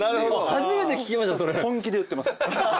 初めて聞きましたそれ。